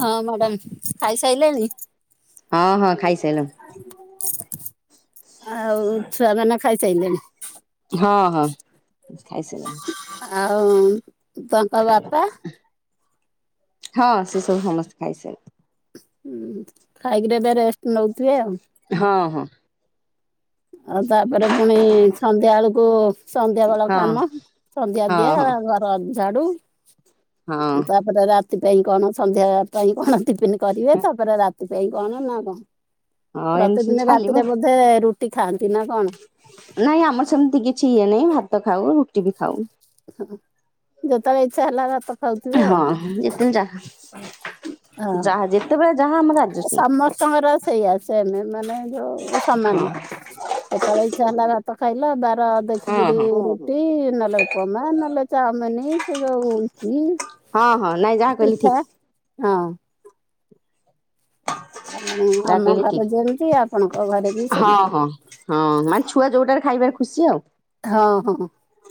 ହଁ ମ୍ୟାଡାାମ ଖାଇସାରିଲଣିି? ହଁ ହଁ ଖାଇସାରିଲୁଣି ଆଉ ଛୁଆମାନେ ଖାଇସାରିଲେଣି। ହଁ ହଁ ଖାଇସାଲେ। ଆଉ ତାଙ୍କ ବାପା? ହଁ ସେ ସବୁ ସମସ୍ତେ ଖାଇସାଇଲେଣି। ଉଁ ଖାଇକିରି ଏବେ ରେଷ୍ଟ ନଉଥିବେ ଆଉ। ହଁ ହଁ। ଆଉ ତାପରେ ପୁଣି ସନ୍ଧ୍ୟା ବେଳକୁ ସନ୍ଧ୍ୟା ବେଳ ହଁ କାମ ସନ୍ଧ୍ୟା ଦିଆ ହଁ ହଁ ଘର ଝାଡୁ। ହଁ ତାପରେ ରାତି ପାଇଁ କଣ ସନ୍ଧ୍ୟା ପାଇଁ କଣ ଟିଫିନ କରିବେ ତାପରେ ରା ସେଥିପାଇ କଣ ନା କଣ ହଁ ଏମିତି ସବୁ ପ୍ରତିଦିନ ଚାଲିବ ରାତିରେ ବୋଧେ ରୁଟି ଖାଆନ୍ତି ନା କଣ? ନାଇଁ ଆମର ସେମିତି କିଛି ଇଏ ନାହିଁ ଭାତ ଖାଉ ରୁଟି ବି ଖାଉ। ହଁ ଯେତେଳେ ଇଛା ହେଲା ରତ ଖାଉଥିବେ ଆଉ ହଁ ହଁ। ଆଉ ଯେତେବେଳେ ଯାହା ଆମର ଆଡଜଷ୍ଟ ହଁ ସମସ୍ତଙ୍କର ସେଇଆସ ଏମ ମାନେ ଯୋଉ ହଁ ସମାନ। କେତେବେଳେ ଇଚ୍ଛା ହେଲା ଭାତ ଖାଇଲ ବାର ହଁ ଦେଖିକିରି ଟି ନଲେ ଉପମା ନଲେ ଚାମିନି ସେ ଜଉ ଇପି। ହଁ ହଁ ନାଇଁ ଯାହା କହିଲେ ଠିକ। ହଁ। ଆଉ ଯାହା ଆମ କହିଲେ ଘରେ ଠିକ ଯେମିତି ଆପଣଙ୍କ ଘରେ ବି ହଁ ସେମିତି। ହଁ ହଁ ମାନେ ଛୁଆ ଯୋଉଟାରେ ଖାଇବାରେ ଖୁସି ଆଉ। ହଁ ହଁ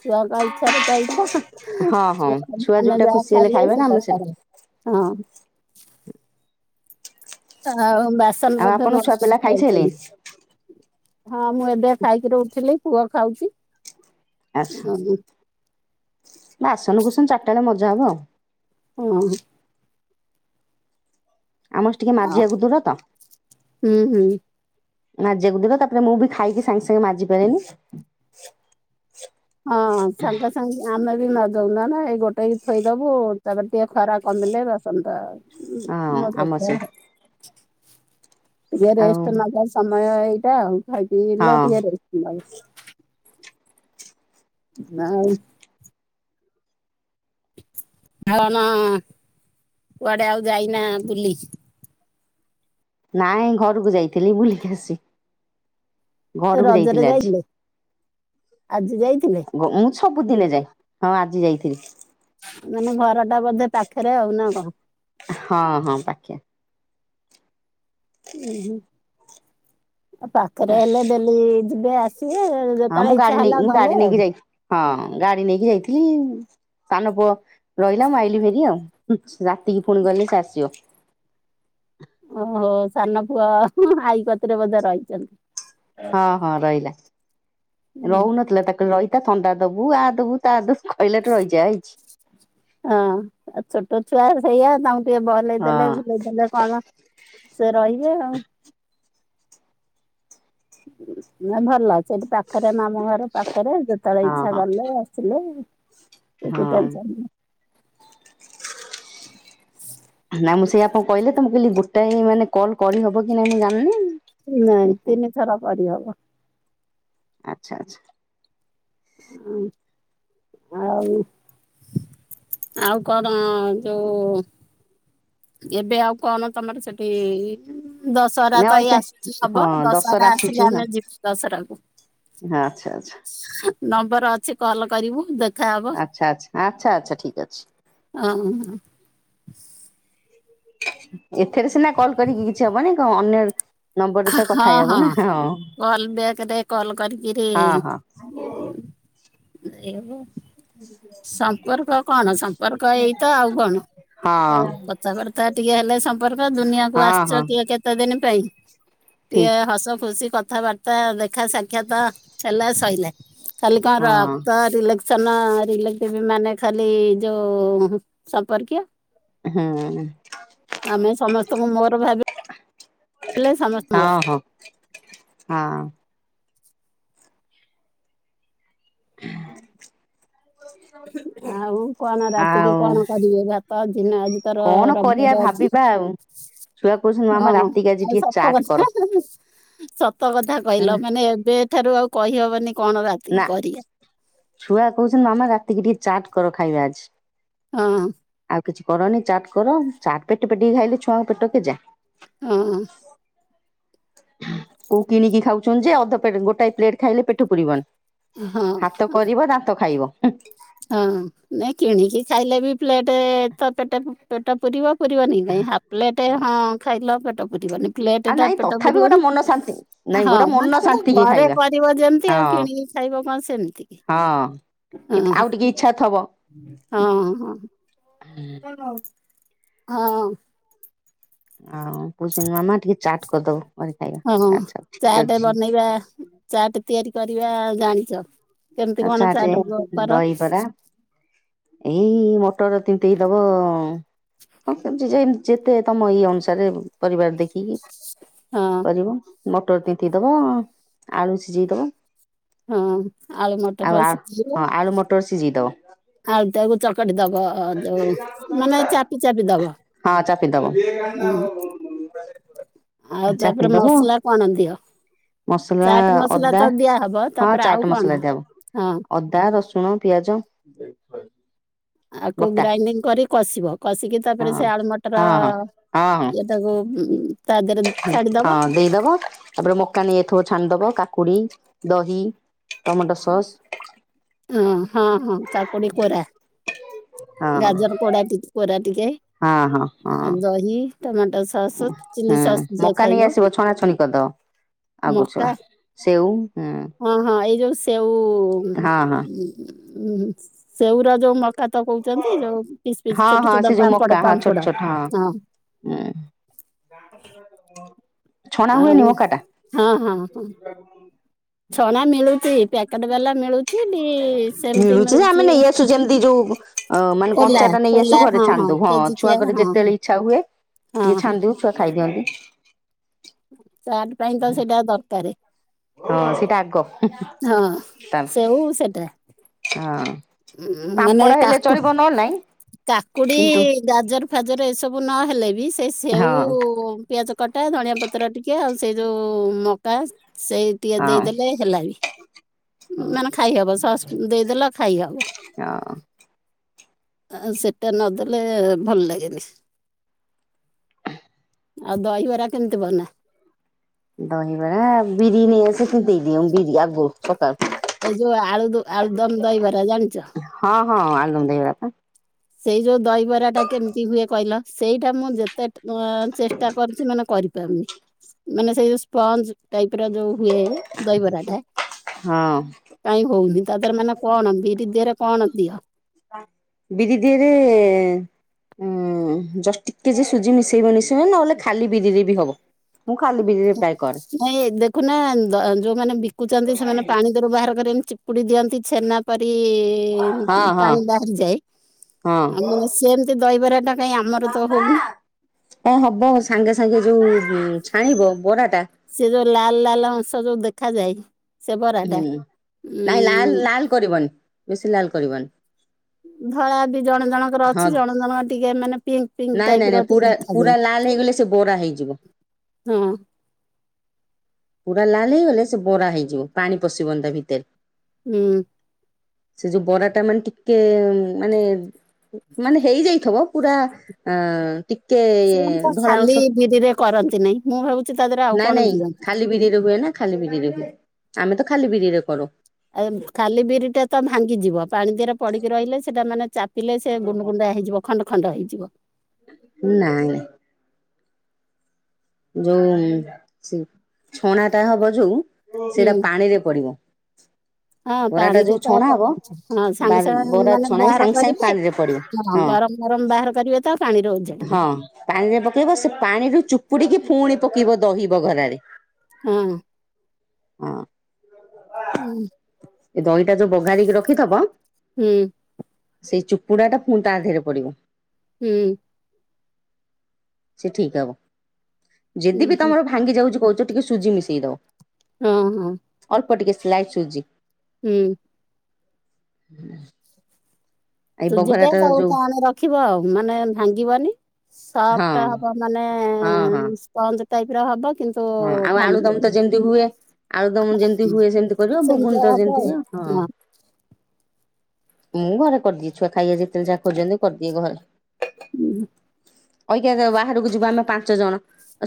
ଛୁଆଙ୍କ ଇଚ୍ଛାରେ ତ ଇଛା। ହଁ ହଁ ଛୁଆ ଧାନ ଯୋଉଟା ଯାହା ଖୁସି ହେଲେ ଖାଇବେ ନା ଆମେ ସେଇଆ ସେ କରେ। ଆଉ ବାସନ ଆଉ ବୋଧେ ଆପଣ ମଜା ଛୁଆ ପିଲା ମଜି ଖାଇସାରିଲେ କରୁଚନ୍ତି। ହଁ ମୁଁ ଏବେ ଖାଇକିରି ଉଠିଲି ପୁଅ ଖାଉଛି। ଆଛା। ହଁ ନା ଆସନକୁୁସନ ଚାରିଟା ବେଳେ ମଜା ହବ ଆଉ। ହଁ। ଆମର ଟିକେ ମାଜିବାକୁ ଦୂର ତ। ହୁଁ ହୁଁ। ମାଜିବାକୁ ଦିବ ତାପରେ ମୁଁ ବି ଖାଇକି ସାଙ୍ଗେ ସାଙ୍ଗେ ମାଜି ପାରେନି। ହଁ ସାଙ୍ଗେ ସାଙ୍ଗେ ଆମେ ବି ମା ଯଉନା ନା ଏଇ ଗୋଟେଇକି ଥୋଇଦବୁ ତାପରେ ଟିକେ ଖରା କମିଲେ ବାସନ ଟା ହଁ ମଜା ଆମ ଯିବ ସେ ଆଉ। ଟିକେ ଆଉ ରେଷ୍ଟ ନବା ସମୟ ଏଇଟା ଆଉ ଖାଇକି ହଁ ଟିକେ ରେଷ୍ଟ ନବ। ନାଇଁ। [unintelligible] କୁଆଡେ ଆଉ ଯାଇନା ବୁଲି? ନାଇଁ ଘରକୁ ଯାଇଥିଲି ବୁଲିକି ଆସିଚି। ଘରକୁ ରଜରେ ଯାଇଥିଲି ଆଜି। ଯାଇଥିଲେ ଆଜି ଯାଇଥିଲେ ଗ ଉଁ ସବୁଦିନେ ଯାଏ ହଁ ଆଜି ଯାଇଥିଲି। ମାନେ ଘର ଟା ବୋଧେ ପାଖରେ ଆଉ ନା କଣ? ହଁ ହଁ ପାଖରେ। ଉଁ ହୁଁ। ଫାଖରେ ହେଲେ ଡେଲି ଯିବେ ଆସି ହଁ ମୁଁ ଗାଡି ନେଇ ମୁଁ ଗାଡି ନେଇକି ଯାଇଥିଲି ହଁ ଗାଡି ନେଇକି ଯାଇଥିଲି। ସାନ ପୁଅ ରହିଲା ମୁଁ ଆଇଲିି ଭାରି ଆଉ। ରାତିକି ଫୁଣି ଗଲେ ସେ ଆସିବ। ଓହୋ ସାନ ପୁଅ ଆଇକତିରେ ବୋଧେ ରହିଛନ୍ତି। ହଁ ହଁ ରହିଲା। ରହୁନଥିଲା ତାକୁ କହିଲି ରହି ଥଣ୍ଡା ଦବୁ ଆ ଦବୁ ତା ଦେବୁ କହିଲାଠୁ ରହିଯାଇଚି। ହଁ ଆଉ ଛୋଟ ଛୁଆ ସେଇଆ ତାଙ୍କୁ ଟିକେ ବଲେଇ ହଁ ଦେଲେ ଭୁଲେଇ ଦେଲେ କଣ ସେ ରହିବେ ଆଉ। ନାଇ ଭଲ। ସେଇଠି ପାଖରେ ମାମୁଁ ଘର ପାଖରେ ଯେତେବେଳେ ହଁ ଇଛା ହଁ ଗଲେ ଆସିଲେ। ହଁ ଏକୁଟିଆ ଚାଲିଲେ। [inaudible] ନାଁ ମୁଁ ସେଇଆ ପା କହିଲି ଗୋଟାଏ କଲ୍ କରି ହବ କି ନାଇଁ ମୁଁ ଜାଣିନି। ନାଇଁ ତିନି ଥର କରି ହବ। ଆଚ୍ଛା ଆଚ୍ଛା। ହଁ ଆଉ ଆଉ କଣ ଯୋଉ ଏବେ ଆଉ କଣ ତମର ସେଠି ଦଶହରା ନା ତ ଏଇ ଅଇକା ଆସୁଛି ହବ। ହଁ ଦଶହରା ଆସୁଛି ଆସିଲେ ହଁ ଆମେ ଯିବୁ ଦଶହରା କୁ। ଆଚ୍ଛା ଆଚ୍ଛା। ନମ୍ବର ଅଛି କଲ୍ କରିବୁ। ଦେଖ୍ ଆଚ୍ଛା ଆଚ୍ଛା ଆଚ୍ଛା ଆଚ୍ଛା ଠିକ୍ ଅଛି। ଅ ହଁ ହଁ। ଏଥିରେ ସିନା କଲ୍ କରିକି କିଛି ହବନି। ଅନ୍ୟ ନମ୍ବରରେ ତ କଥା ହେଇହବ ନା। ହଁ କଲ୍ ବ୍ୟାକରେ କଲ୍ କରିକିରି ହଁ ହଁ। ଏ ସମ୍ପର୍କ କଣ ସମ୍ପର୍କ ଏଇତ ଆଉ କଣ। ହଁ କଥାବାର୍ତ୍ତା ଟିକେ ହେଲେ ସମ୍ପର୍କ। ଦୁନିଆ ହଁ ଆସିଚ ହଁ କିଏ କେ ତେ ଦିନ ପାଇଁ ଟିକେ ଠିକ୍ ହସ ଖୁସି କଥାବାର୍ତ୍ତା ତା ଦେଖା ସାକ୍ଷାତ ଚାଲିଲା ସଇଲା। ଖାଲି କଣ ର ହଁ ରିଲେକ୍ସନ ରିଲେଟିଭ ମାନେ ଖାଲି ଯୋଉ ସମ୍ପର୍କୀୟ। ହୁଁ ଆମେ ସମସ୍ତଙ୍କୁ ମୋର ଭାବି ହଁ ହଁ। ହଁ। [inaudible] [unintelligible] ଆଉ କଣ ରାତିରେ ଆଉ କଣ କରିବେ? ଭାତ ଦିନ ଆଜି ତୋର କଣ କରିବା ରବିବାର ଅଛି। ଭାବିବା ଆଉ ଛୁଆ କହୁଛନ୍ତି ମାମା ହଁ ରାତିକି ଆଜି ଆଉ ଟିକେ ସତ ଚାଟ୍ କର କଥା ସତ କଥା କହିଲ ହେଲା ମାନେ ଏବେ ଠାରୁ ଆଉ କହି ହବନି କଣ ରାତି ନା କରିବା। ଛୁଆ କହୁଛନ୍ ମାମା ରାତିକି ଟିକେ ଚାଟ୍ କର ଖାଇବା ଆଜି। ହଁ। ଆଉ କିଛି କରନି ଚାଟ କର। ଚାଟ ପେଟ ପେଟେ କ ଖାଇଲେ ଛୁଆଙ୍କ ପେଟ କେ ଯା। ହଁ। କୋଉ କିଣିକି ଖାଉଛନ୍ତି ଯେ ଅଧାପେଟ ଗୋଟାଏ ପ୍ଲେଟ ଖାଇଲେ ପେଠ ପୁରିବନି। ହଁ। ହାତ କରିବ ଦାନ୍ତ ଖାଇବ। ହଁ ନାଇଁ କିଣିକି ଖାଇଲେ ବି ପ୍ଲେଟ ତ ପେଟ ପୁରିବ। ପୁରିବନି କାଇଁ ହାଫ୍ ପ୍ଲେଟ୍ ହଁ ଖାଇଲ ପେଟ ପୁରିବନି। ପ୍ଲେଟ ଆଉ ଟା ନାଇଁ ପେଟ ତଥାପି ଗୋଟେ ପୁରିବନି ମନ ଶାନ୍ତି ନାଇଁ ହଁ ଗୋଟେ ମନ ମାନେଟେ ଶାନ୍ତି କି ଘରେ ଖାଇବା କରିବ ଯେମିତି ଆଉ ହଁ କିଣି ଖାଇବ କଣ ସେମିତି କି ହଁ ଆଉ ହଁ। ଟିକେ ଇଚ୍ଛା ଥବ। ହଁ ହଁ ହୁଁ ହଁ ଆଉ କହୁଛନ୍ତି ମାମା ଟିକେ ଚାଟ୍ କରିଦବ ଘରେ ଖାଇବା ମୁଁ ହଁ କହିଲି ଆଛା ଠିକ ଅଛି। ଚାଟ ତିଆରି କରିବା ଜାଣିଚ କେମିତି ଆଉ କଣ ଚାଟେ ଚାଟ କର। ଦହିବରା ଏଇ ମଟର ତିତେଇ ଦେବ [unintelligible] ଯେତେ ତମ ଇଏ ଅନୁସାରେ ପରିବାର ଦେଖିକି ହଁ କରିବ। ମଟର ତିତେଇଦେବ ଆଳୁ ସିଝେଇଦବ। ହଁ ଆଳୁ ଆଉ ମଟର ହଁ ଆଳୁ ମଟର ସିଝେଇଦବ। ଆଉ ତାକୁ ଚକଟି ଦବ ଯୋଉଁ ମାନେ ଚାପି ଚାପି ଦବ। ହଁ ଚାପିଦବ। ଆଉ ତାପରେ ମସଲା କଣ ଦିଅ। ମସଲା ଚାଟ ମସଲା ତ ଦିଆ ହବ ତାପରେ ଆଉ କଣ? ବ ହଁ ଅଦା ରସୁଣ ପିଆଜ ଆକୁ ବଟା ଗ୍ରାଇଣ୍ଡିଙ୍ଗ କରି କଷିବ କଷିକି ହଁ ତାପରେ ସେ ଆଳୁ ମଟର ହଁ ହଁ ହଁ ହଁ ତାକୁ ଉ ତା ଦେହ ହଁ ଦେଇଦବା ତାପରେ ମକା ନେଇ ଏଥିବ ଛାଣିଦବ କାକୁଡି ଦହି ଟମାଟୋ ସସ୍ ହ ହଁ ହଁ କାକୁଡି କୋରା ହଁ ଗାଜର ପୋ ପୋରା ଟିକେ ହଁ ହଁ ହଁ ଆଉ ଦହି ଟମାଟୋ ସସ୍ ଚିଲି ହୁଁ ସସ୍ ଯିଏ ମକା ନେଇ ଖାଇବ ଆସିବ ଛଣା ଛୁଣ କଦ ଆଗରୁ ମକା ଛୁଆ ସେଉ ହୁଁ ହଁ ହଁ ଏଇ ଯୋଉ ସେଉ ହଁ ହଁ ସେଉର ଯୋଉ କାତ କହୁଛନ୍ତି ଯୋଉ ପିଚ ପିସ୍ ହଁ ଛୋଟ ହଁ ଛୋଟ ପାମ୍ପଡ ପାମ୍ପଡ ହଁ ହୁଁ ଆଉ ହଁ ହଁ ହଁ। ହ ହଁ ଛନା ମିଳୁଛି ପ୍ୟାକେଟ ବାଲା ମିଳୁଛି ବି ସେମିତି ମିଳୁଛି ଯଉ ଅ ମାନେ ଖୋଲା କଞ୍ଚା ଟା ନେଇ ଆସୁ ଖୋଲା ଘରେ ଛାଣି ଦେଉ ହଁ କେଜିକିଆ ହଁ ଛୁଆଙ୍କର ହଁ ଯେତେବେଳେ ଇଚ୍ଛା ହୁଏ ଟିକେ ହଁ ହଁ ଛାଣି ଦେବୁ। ଛୁଆ ଖାଇଦିଅନ୍ତି। ଚାଟ ପାଇଁ ତ ସେଇଟା ଦରକାର। ହଁ ସେଇଟା ଆଗ ହଁ ଟା ପ ସେଉ ହଁ। ଉ ଉଁ ମାନେ ପାମ୍ପଡ ହେଲେ କାକୁ ଚଳିବ ନହେଲେ ନାଇଁ କାକୁଡି କିନ୍ତୁ ଗାଜର ଫାଜର ଏସବୁ ନହେଲେ ବି ସେ ସେଉ ହଁ ପିଆଜ କଟା ଧଣିଆ ପତ୍ର ଟିକେ ଆଉ ସେଇ ଯୋଉ ମକା ସେଇ ଟିକେ ହଁ ଦେଇଦେଲେ ହେଲା ବି ମାନେ ଖାଇହବ ସସ୍ ଦେଇଦେଲ ଖାଇହବ ହଁ ଆଉ ସେଟା ନଦେଲେ ଭଲ ଲାଗେନି। ଆଉ ଦହିବରା କେମିତି ବନା ଦହିବରା ବିରି ନେଇ ସେମତିି ବିରି ଆଗରୁ ପ୍ରକା ଏଇ ଯୋଉଁ ଆଳୁ ଆଳୁ ଦମ ଦହିବରା ଜାଣିଛ? ହଁ ହଁ ଆଳୁଦମ ଦହିବରା ପା ସେଇ ଯୋଉଁ ଦହିବରା ଟା କେମିତି ହୁଏ କହିଲ ସେଇଟା ମୁଁ ଯେତେ ହଁ ଚେଷ୍ଟା କରିଛି ମାନେ କରିପାରୁନି ମାନେ ସେଇ ଯୋଉ ସ୍ପଞ୍ଜ ଟାଇପ ର ଯୋଉ ହୁଏ ଦହିବରାଟା ହଁ କାଇଁ ହୋଉନି ତା ଦେହରେ ମାନେ କଣ ବିରି ଦେହରେ କଣ ଦିଅ? ବିରି ଦିହରେ ଉଁ ଜଷ୍ଟ ଟିକେ ଯ ସୁଜି ମିଶେଇବ ମିଶେଇବ ନହେଲେ ଖାଲି ବିରିରେ ବି ହବ। ମୁଁ ଖାଲି ବିରିରେ ପ୍ରାୟ କରେ ନାଇଁ ଦେଖୁନା ଦ ଯୋଉମାନେ ବିକୁଛନ୍ତି ସେମାନେ ପାଣି ଦେହରୁ ବାହାର କରି ଏମିତି ଚିପୁଡି ଦିଅନ୍ତି ଛେନା ପରି ହଁ ଏ ହଁ ପାଣି ବାହାରିଯାଏ ହଁ ଆମେ ବାସ୍ ସେମିତି ଦହିବରା ଟା କାଇଁ ଆମର ତ ହୋଉନି? ହଁ ହବ ସାଙ୍ଗେ ସାଙ୍ଗେ ଯୋଉ ଛାଣିବ ବରାଟା ସେ ଯୋଉ ଲାଲ ଲାଲ ଅଂଶ ଯୋଉ ଦେଖାଯାଏ ସେ ହୁଁ ବରାଟା ଉଁ ନାଇଁ ଲାଲ ଲାଲ କରିବନି ବେଶୀ ଲାଲ କରିବନି। ଧଳା ବି ଜଣେ ଜଣଙ୍କର ହଁ ଅଛି ଜଣେ ଜଣଙ୍କ ଟିକେ ମାନେ ପିଙ୍କ ପିଙ୍କ ନାଇଁ ଟାଇପ ନାଇଁ ର ନାଇଁ ଟିକେ ପୁରା ପୁରା ଦେଖାଯାଏ। ଲାଲ ହେଇଗଲେ ସେ ବରା ହେଇଯିବ। ହଁ। ପୁରା ଲାଲ ହେଇଗଲେ ସେ ବରା ହେଇଯିବ ପାଣି ପଶିବନ୍ତା ତା ଭିତରେ। ହୁଁ। ସେ ଯୋଉ ବରା ଟା ମାନେ ଟିକେ ମାନେ ମାନେ ହେଇଯାଇଥିବ ପୁରା ଅ ଟିକେ ସେ ତ ଧଳା ଖାଲି ଅଂଶ ବିରିରେ କରନ୍ତି ନାଇଁ ମୁଁ ଭାବୁଛି ତା ଦେହରେ ଆଉ ନାଇଁ କଣ ନାଇଁ ଦିଅନ୍ତି। ଖାଲି ବିରିରେ ହୁଏ ନା ଖାଲି ବିରିରେ ହୁଏ ଆମେ ତ ଖାଲି ବିରିରେ କରୁ। ଆଉ ଖାଲି ବିରି ଟେ ତ ଭାଙ୍ଗିଯିବ ପାଣି ଦେହରେ ପଡିକି ରହିଲେ ସେଟା ମାନେ ଚା ପିଲେ ସେ ଗୁଣ୍ଡ ଗୁଣ୍ଡା ହେଇଯିବ ଖଣ୍ଡ ଖଣ୍ଡ ହେଇଯିବ। ଉ ନାଇଁ ନାଇଁ। ଯୋଉ ଛଣା ଟା ହବ ଯୋଉ ହୁଁ ସେଇଟା ପାଣିରେ ପଡିବ। ହଁ ବରା ଟା ପାଣିରେ ଯୋଉ ତ ଛଣା ହବ ପକଉଛି ହଁ ବା ସାଙ୍ଗ ସାଙ୍ଗ ବରା ମାନେ ଛଣା ହେଇ ବାହାର ସାଙ୍ଗେ ସାଙ୍ଗେ କରିବେ ପାଣିରେ ପଡିବ ହଁ ଗରମ ଗରମ ବାହାର କରିବେ ତ ପାଣିରେ ଉଜାଡିବେ। ହଁ ପାଣିରେ ପକେଇବ ସେ ପାଣିରୁୁ ଚୁପୁଡିକି ପୁଣି ପକେଇବ ଦହି ବଘରାରେ। ହଁ। ହଁ। ହୁଁ। ଏ ଦହିଟା ଯୋଉ ବଘାରିକି ରଖିଥିବ ହୁଁ। ସେଇ ଚୁପୁଡା ଟା ପୁଣି ତା ଦେହରେ ପଡିବ। ହୁଁ। ସେ ଠିକ ହବ। ଯଦି ବିି ହୁଁ ତମର ଭାଙ୍ଗି ଯାଉଛି କହୁଛ ଟିକେ ସୁଜି ମିଶେଇ ଦଵ। ହଁ ହଁ। ଅଳ୍ପ ଟିକେ ସ୍ଲାଇଟ ସୁଜି। ହୁଁ। ହୁଁ। ସୁଜି ଟା ତାକୁ ଯୋଉ ତା ଆଣେ ରଖିବ ଆଉ ମାନେ ଭାଙ୍ଗିବନି। ସଫ ଟା ହଁ ହବ ମାନେ ହଁ ହଁ ସ୍ପଞ୍ଜ ଟାଇପର ହବ। କିନ୍ତୁ ହଁ ଆଉ ଆଳୁ ଦମ ଭାଙ୍ଗିବନି। ତ ଯେମିତି ହୁଏ ଆଳୁଦମ ଯେମିତି ହୁଏ ସେମତି କରିବ ଘୁଗୁନି ସେମିତିଆ ତ ହବ ଯେମିତି ହୁଏ ହଁ। ଆଉ। ମୁଁ ଘରେ କରିଦିଏ ଛୁଆ ଖାଇବା ଯେତେବେଳେ ଯାହା ଖୋଜଛନ୍ତି କରିଦିଏ ଘରେ। ହୁଁ। ଅଇକା ଯ ବାହାରକୁ ଯିବୁ ଆମେ ପାଞ୍ଚ ଜଣ।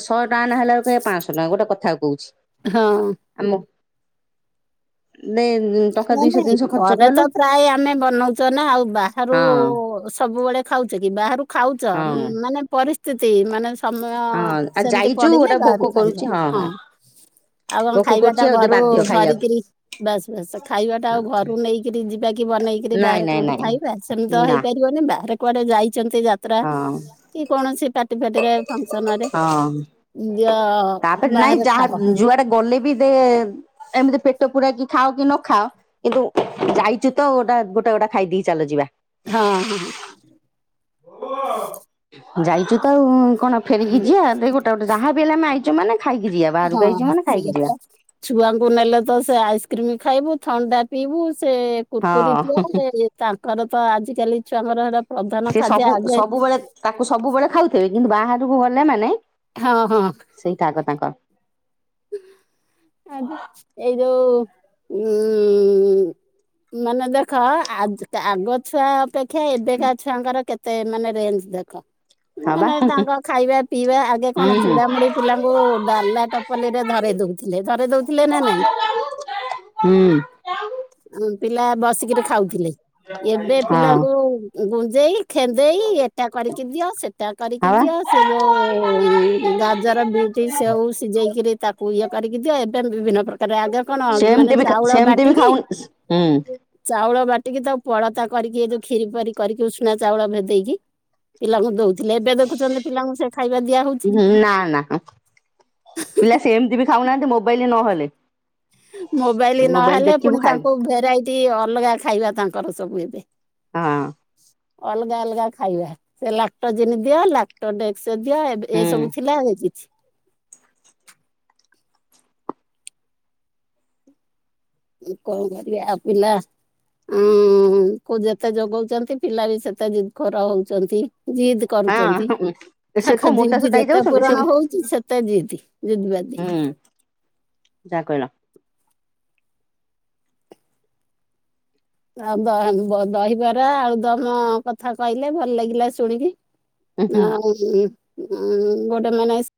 ଶହେ ଟଙ୍କା ନ ହେଲେ ଆଳକୁ କହୀବେ ପାଞ୍ଚଶହ ଟଙ୍କା ଗୋଟେ କଥାକୁ କହୁଛି। ହଁ। ଆମ କୁ ଦେ ଟଙ୍କା ଦିଇଶହ ତିନିଶହ ଖର୍ଚ୍ଚ କଲୁ। ପ୍ରଏ ଆମେ ବନଉଛୁ ନା ଆଉ ବାହାରୁ ହଁ ହଁ। ସବୁବେଳେ ଖାଉଛ କି ବାହାରୁ ଖାଉଛ ହଁ ମାନେ ପରି ସ୍ଥିତି ମାନେ ସମୟ ଆଉ ସେମିତି ଯାଇଛୁ ପଡିଲେ ଗୋଟେ ଭୋକ ବାହାରୁ ଖାଇଲ କରୁଛି ହଁ। ଆଉ ତମ ଭୋକ ଖାଇବା କରୁଛି ଟା ଆଉ ଘରୁ ବାଧ୍ୟ ଖାଇବାକୁ। ଧରିକିରି ଜି ଖାଇବା ଟା ଆଉ ଘରୁ ନେଇକରି ଯିବା କି ବନେଇକି ନାଇଁ ବାହାରେ ନାଇଁ କୋଉଠି ନାଇଁ ଖାଇବା ସେମିତି ତ ନା ହେଇପାରିବନି ବାହାରେ କୁଆଡେ ଯାଇଛନ୍ତି। ଯାତ୍ରା ହଁ କି କୌଣସି ପାର୍ଟି ଫାର୍ଟିରେ ଫଙ୍କସନ ରେ ହଁ। ଦିଅ ତାପରେ ନାଇଁ ବାହାରେ ଯାହା ଖାଅ। ଯୁଆଡେ ଗଲେ ବି ଦେ ଏମିତି ପେଟ ପୁରାକି ଖାଅ କି ନ ଖାଅ କିନ୍ତୁ ଯାଇଛୁ ତ ଗୋଟେ ଗୋଟା ଖାଇଦେଇକି ଚାଲ ଯିବା। ହଁ ହଁ। ଯାଇଛୁ ତ ଆଉ କଣ ଫେରିକି ହଁ ଯିବା ଗୋଟେ ଗୋଟେ ଯାହା ବି ହେଲେ ଆମେ ଆଇଛୁ ଯଉମାନେ ଖାଇକି ଯିବା ବାହାରକୁ ହଁ ଆଇଛି ମାନେ ସେଇଆ ଖାଇକି ଯିବା। ପରା। ଛୁଆଙ୍କୁ ନେଲେ ତ ସେ ଆଇସ୍କ୍ରିମ ଖାଇବୁ ଥଣ୍ଡା ପିଇବୁ ସେ କୁର୍କୁରି ହଁ ଦିଅଉଁ ମେନେ ତାଙ୍କର ତ ଆଜିକାଲି ଛୁଆଙ୍କର ହେଟ ସେ ସବୁ ସବୁବେଳେ ତାକୁ ସବୁବେଳେ ଖାଉଥିବେ କିନ୍ତୁ ବାହାରକୁ ଗଲେ ମାନେ ହଁ ହଁ। ସେଇଟା ଆଗ ତାଙ୍କର। ଆ ଏଇ ଯଉ ଉଁ ମାନେ ଦେଖ ଆଗ ଛୁଆ ଅପେକ୍ଷା ଏବେକା ଛୁଆଙ୍କର କେତେ ମତେ ମାନେ ରେଞ ଦେଖ? ହଁ ବା ମାନେ ତାଙ୍କ ହୁଁ ଖାଇବା ପିଇବା ଆଗେ କଣ ହୁଁ। ଚୁଡ଼ାମୁଡି ପିଲାଙ୍କୁ ଡାଲା ଟ ପଲିଥିନିରେ ଧରେଇ ଦଉଥିଲେ ଧରେ ଦଉଥିଲେ ନା ନାଇଁ? ହୁଁ। ପିଲା ବସିକିରି ଖାଉଥିଲେ ଏବେ ହଁ ପିଲାଙ୍କୁ ଗୁଞ୍ଜେଇ ଖେନ୍ଦେଇ ଏଟା କରିକି ଦିଅ ସେଟା କରିକି ଆଉ ଦିଅ। ସେ ଯଉ ଗାଜର, ବିଇଟି, ସେଉ ସିଜେଇକି ତାକୁ ଇଏ କରିକି ଦିଅ ଏବେ ବିଭିନ୍ନ ପ୍ରକାର ତାରେ ଆଗେ କଣ ହ ମାନେ ସେମିତି ବି ଚାଉଳ ସେମିତି ବି ବାଟିକି ଖାଉ ହୁଁ ଚାଉଳ ବାଟିକି ତ ପଳତା କରିକି ଏ ଯୋଉ କ୍ଷୀରି ପରି କରିକି ଉଷୁଣା ଚାଉଳ ଭେଦେଇକି ପିଲାଙ୍କୁ ଦଉଥିଲେ ଏବେ ଦେଖୁଛନ୍ତି ପିଲାଙ୍କୁ ସେ ଖାଇବା ଦିଆ ହଉଛି? ନା ନା। ପିଲା ସେମିତି ବି ଖାଉନାହାନ୍ତି ମୋବାଇଲି ନହେଲେ। ମୋବାଇଲି ମୋବାଇଲ ନହେଲେ ଦେଖିବୁ ପୁଣି ଖାଇବୁ ତାଙ୍କୁ ଭେରାଇଟି ଅଲଗା ଖାଇବା ତାଙ୍କର ସବୁ ଏବେ। ହଁ। ଅଲଗା ଅଲଗା ଖାଇବା ସେ ଲାକ୍ଟଜିନି ଦିଅା ଲକ୍ଟଡେସ୍କ ଦିଅ ଏବେ ହୁଁ ଏସବୁ ଥିଲା କିଛି? କଣ କରିବା ଆଉ ପିଲା ଉଁ ଯେତେ ଯୋଗଉଛନ୍ତି ପିଲା ବି ସେତେ ଜିଦ୍ ଖୋର ହଉଛନ୍ତି ଜିଦ୍ କରୁଛନ୍ତି ହଁ ସେ ତାଙ୍କ କଣ ମୋଟା ଜିଦି ସୋଟା ଯେତେ ହେଇଯାଉଛନ୍ତି ସେ ପୂରଣ ହୁଁ ହଉଛି ସେତେ ଜିଦି। ଜିଦିବାଦି। ଯାହା କହିଲ। ଆଉ ଦହିବାର ଆଳୁ ଦମ କଥା କହିଲେ ଭଲ ଲାଗିଲା ଶୁଣିକି। ହୁଁ ହୁଁ ନା ମୁ ହୁଁ ହୁଁ ଗୋଟେ ମାନେ